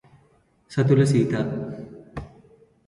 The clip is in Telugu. సతుల సీత